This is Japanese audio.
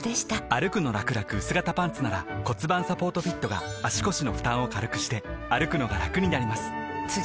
「歩くのらくらくうす型パンツ」なら盤サポートフィットが足腰の負担を軽くしてくのがラクになります覆个△